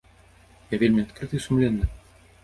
Я вельмі адкрыты і сумленны.